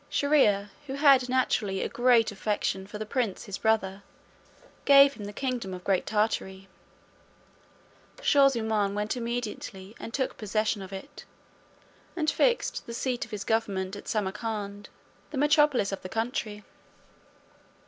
Shier ear, who had naturally a great affection the prince his brother, gave him the kingdom of Great Tartary. Shaw zummaun went immediately and took possession of it, and fixed the seat of his government at Samarcand, the metropolis of the country.